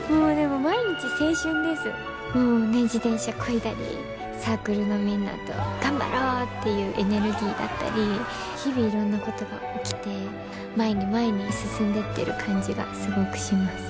もうね自転車こいだりサークルのみんなと頑張ろうっていうエネルギーだったり日々いろんなことが起きて前に前に進んでってる感じがすごくします。